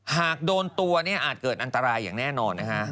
หากโดนตัวเนี่ยอาจเกิดอันตรายอย่างแน่นอนนะฮะ